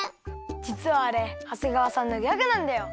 じつはあれ長谷川さんのギャグなんだよ！